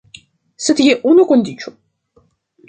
Sed je unu kondiĉo.